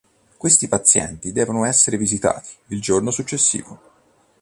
Questi pazienti devono essere visitati il giorno successivo.